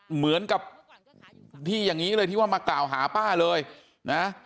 เหมือนกับที่อย่างนี้เลยที่ว่ามากล่าวหาป้าเลยนะ